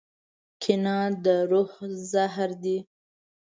کینه د روح زهر دي.